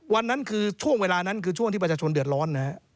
วันนั้นคือช่วงเวลานั้นคือช่วงที่ประชาชนเดือดร้อนนะฮะ